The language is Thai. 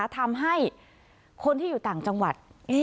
ทำให้คนที่อยู่ต่างจังหวัด